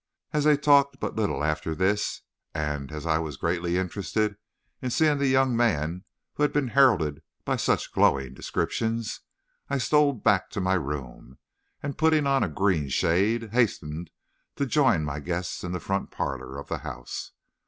As they talked but little after this, and as I was greatly interested in seeing the young man who had been heralded by such glowing descriptions, I stole back to my room, and, putting on a green shade, hastened to join my guests in the front part of the house.